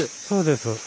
そうです。